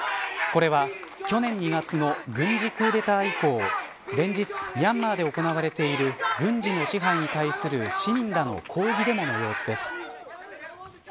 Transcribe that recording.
これは、去年２月の軍事クーデター以降連日ミャンマーで行われている軍部の支配に対する市民らの抗議デモの様子です。